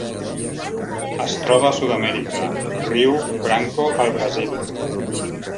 Es troba a Sud-amèrica: riu Branco al Brasil.